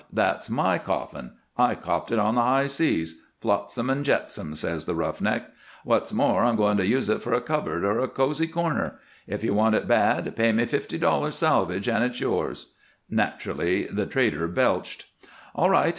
That's my coffin. I copped it on the high seas flotsam and jetsam,' says the 'roughneck.' 'What's more, I'm going to use it for a cupboard or a cozy corner. If you want it bad pay me fifty dollars salvage and it's yours.' Naturally the trader belched. "'All right.